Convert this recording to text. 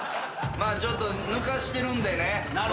まあちょっと抜かしてるんでね。